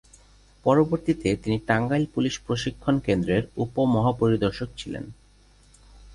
পরবর্তীতে তিনি টাঙ্গাইল পুলিশ প্রশিক্ষণ কেন্দ্রের উপ মহা-পরিদর্শক ছিলেন।